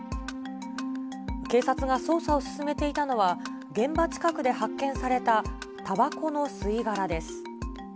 警察が捜査を進めていたのは、現場近くで発見されたたばこの吸い殻です。